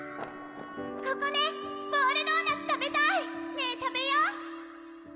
ここねボールドーナツ食べたい！ねぇ食べよう！